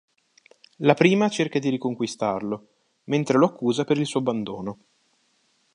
La prima cerca di riconquistarlo, mentre lo accusa per il suo abbandono.